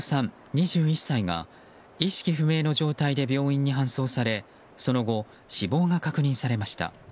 ２１歳が意識不明の状態で病院に搬送されその後、死亡が確認されました。